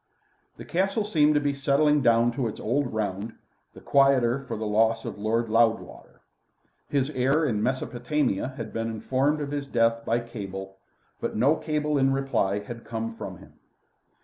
The Castle seemed to be settling down to its old round, the quieter for the loss of Lord Loudwater. His heir in Mesopotamia had been informed of his death by cable. But no cable in reply had come from him.